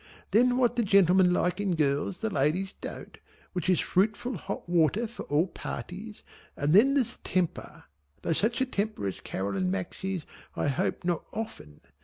And then what the gentlemen like in girls the ladies don't, which is fruitful hot water for all parties, and then there's temper though such a temper as Caroline Maxey's I hope not often.